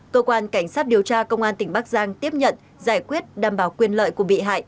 cơ quan cảnh sát điều tra công an tỉnh bắc giang tiếp nhận giải quyết đảm bảo quyền lợi của bị hại